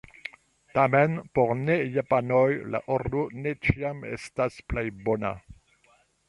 Tamen, por ne-japanoj la ordo ne ĉiam estas plej bona.